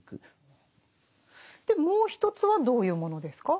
でもう一つはどういうものですか？